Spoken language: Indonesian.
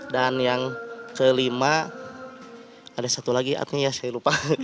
dan yang kelima ada satu lagi atnya ya saya lupa